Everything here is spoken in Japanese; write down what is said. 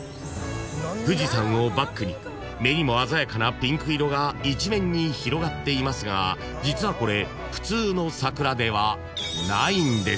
［富士山をバックに目にも鮮やかなピンク色が一面に広がっていますが実はこれ］